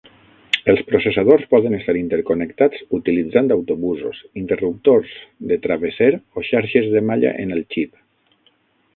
Els processadors poden estar interconnectats utilitzant autobusos, interruptors de travesser o xarxes de malla en el xip.